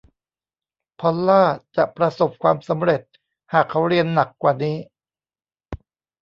พอลน่าจะประสบความสำเร็จหากเขาเรียนหนักกว่านี้